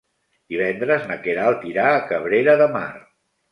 Divendres na Queralt irà a Cabrera de Mar.